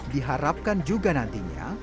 diharapkan juga nantinya